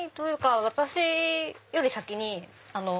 私より先に。